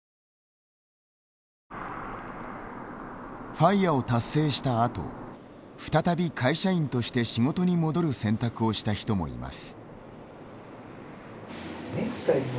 ＦＩＲＥを達成したあと再び会社員として仕事に戻る選択をした人もいます。